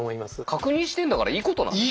確認してんだからいいことなんですよね。